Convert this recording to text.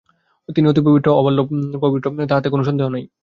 তিনি অতি পবিত্র, আবাল্য পবিত্র, তাহাতে কোন সন্দেহ নাই।